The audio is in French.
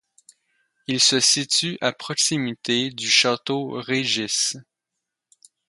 Il se situe à proximité du Château Régis.